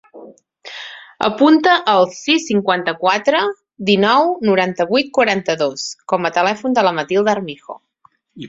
Apunta el sis, cinquanta-quatre, dinou, noranta-vuit, quaranta-dos com a telèfon de la Matilda Armijo.